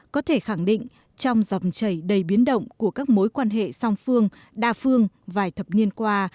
có thể khẳng định trong dòng chảy đầy biến động của các mối quan hệ song phương đa phương vài thập niên qua